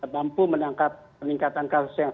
mampu menangkap peningkatan kasus yang